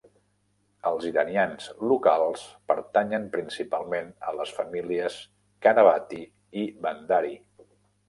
Els iranians locals pertanyen principalment a les famílies Qanavati i Bandari.